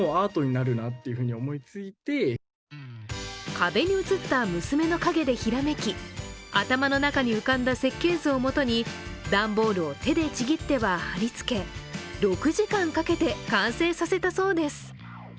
壁に映った娘の影でひらめき頭の中に浮かんだ設計図をもとに段ボールを手でちぎっては貼り付け、６時間かけて完成させたそうです。